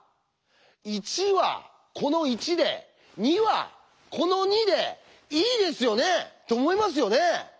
「１」はこの「１」で「２」はこの「２」でいいですよね？と思いますよね？